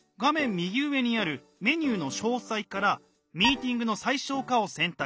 右上にあるメニューの「詳細」から「ミーティングの最小化」を選択。